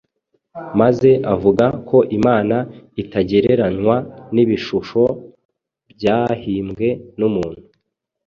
maze avuga ko Imana itagereranywa n’ibishusho byahimbwe n’umuntu.